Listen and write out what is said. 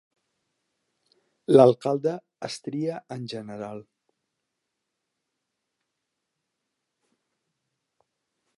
L'alcalde es tria en general.